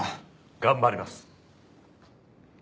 頑張ります。